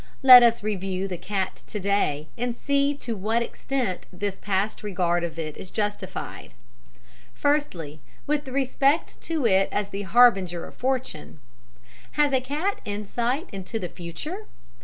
Let us review the cat to day, and see to what extent this past regard of it is justified. "Firstly, with respect to it as the harbinger of fortune. Has a cat insight into the future?